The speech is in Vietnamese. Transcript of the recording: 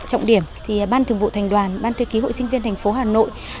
trọng điểm ban thường vụ thành đoàn ban tư ký hội sinh viên thành phố hà nội